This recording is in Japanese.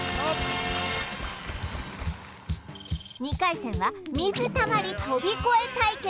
２回戦は水たまり飛び越え対決